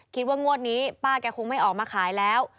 คิดว่างวดนี้ป้าแกคงไม่ออกมาขายแล้ว